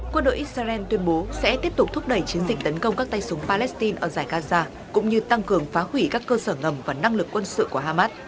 quân đội israel tuyên bố sẽ tiếp tục thúc đẩy chiến dịch tấn công các tay súng palestine ở giải gaza cũng như tăng cường phá hủy các cơ sở ngầm và năng lực quân sự của hamas